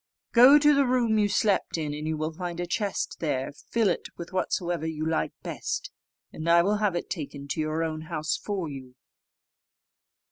Go to the room you slept in, and you will find a chest there; fill it with whatsoever you like best, and I will have it taken to your own house for you."